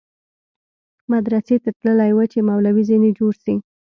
مدرسې ته تللى و چې مولوى ځنې جوړ سي.